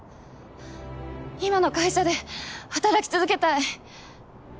今の会社で働き続けたい。